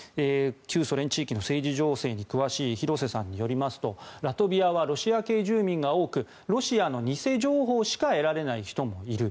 旧ソ連地域の政治情勢に詳しい廣瀬さんによりますとラトビアはロシア系住民が多くロシアの偽情報しか得られない人もいる。